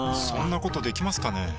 そんなことできますかね？